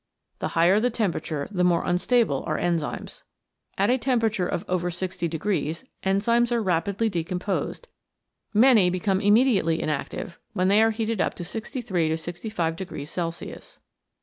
The higher the temperature the more unstable are enzymes. At a temperature of over 60 degrees enzymes are rapidly decomposed, many become immediately inactive when they are heated up to 63 to 65 degrees Celsius.